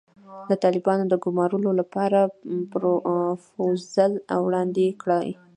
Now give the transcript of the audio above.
د طالبانو د ګومارلو لپاره پروفوزل وړاندې کړي.